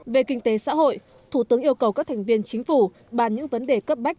về kinh tế xã hội thủ tướng yêu cầu các thành viên chính phủ bàn những vấn đề cấp bách